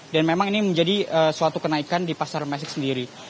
dan memang ini menjadi suatu kenaikan di pasar majestik sendiri